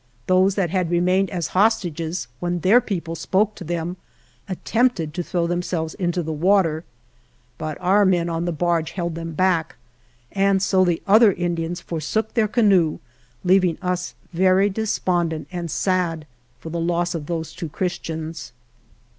Those that had remained as hostages, when their people spoke to them, attempted to throw themselves into the water. But our men in the barge held them backj and so the other Indians forsook their canoe, leaving us very despondent and sad for the loss of those two Christians.